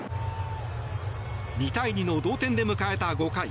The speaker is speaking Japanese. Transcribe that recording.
２対２の同点で迎えた５回。